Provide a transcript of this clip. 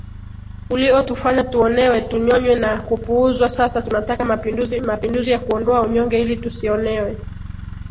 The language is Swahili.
uliotufanya tuonewe tunyonywe na kupuuzwa Sasa tunataka mapinduzi mapinduzi ya kuondoa unyonge ili tusionewe